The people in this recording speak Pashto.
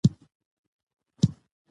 دا جوړه په لوړه کچه پاتې شوه؛